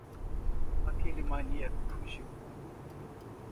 Aquele maníaco fugiu?